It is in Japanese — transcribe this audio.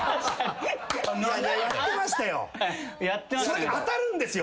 それが当たるんですよ。